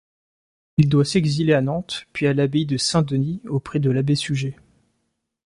Il doit s'exiler à Nantes puis à l'abbaye de Saint-Denis auprès de l'abbé Suger.